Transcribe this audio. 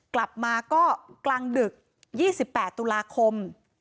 กลับมาก็กลางดึก๒๘ตุลาคม